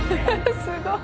すごい。